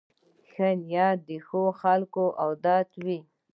ښه نیت د ښو خلکو عادت وي.